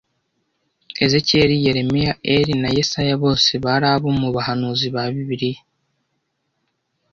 Ezekiyeli, Yeremiya, Eli na Yesaya bose bari abo mu bahanuzi ba Bibiliya